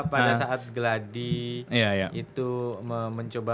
pada saat geladi itu mencoba